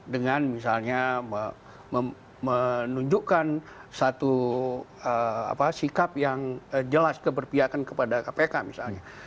dengan misalnya menunjukkan satu sikap yang jelas keberpihakan kepada kpk misalnya